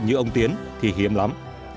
như ông tiến thì hiếm lắm